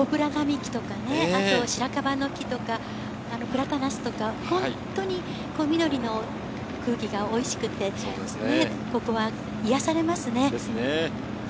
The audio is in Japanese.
ポプラ並木とか、白樺の木とか、プラタナスとか、本当にみどりの空気がおいしくて、ここは癒やされますね。